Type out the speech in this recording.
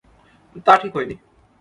তা ঠিক হয়নি।